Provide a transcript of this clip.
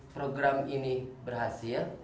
program ini berhasil